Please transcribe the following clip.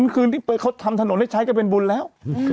คืนนี้บ๊วยเขาทำถนนให้ใช้กับเวรบุญแล้ว